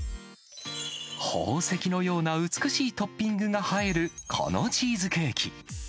宝石のような美しいトッピングが映えるこのチーズケーキ。